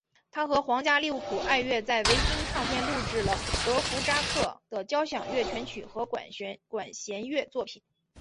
他和皇家利物浦爱乐在维京唱片录制了德佛札克的交响曲全集和管弦乐作品。